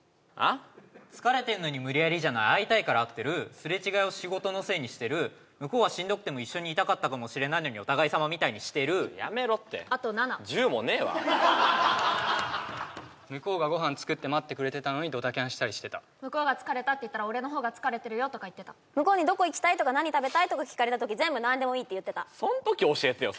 疲れてるのに無理やりじゃない会いたいから会ってるすれ違いを仕事のせいにしてる向こうはしんどくても一緒にいたかったかもしれないのにお互いさまみたいにしてるやめろってあと７１０もねえわ向こうがご飯作って待ってくれてたのにドタキャンしたりしてた・向こうが疲れたって言ったら俺のほうが疲れてるよとか言ってた向こうにどこ行きたい？とか何食べたい？とか聞かれたとき全部何でもいいって言ってたそのとき教えてよ